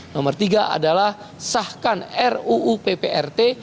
nomor tiga adalah sahkan ruu pprt